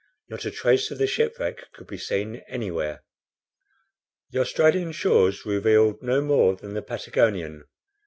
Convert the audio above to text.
Not a trace of the shipwreck could be seen anywhere. The Australian shores revealed no more than the Patagonian.